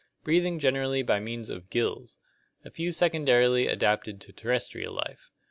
Breathing generally by means of "gills." A few secondarily adapted to terrestrial life.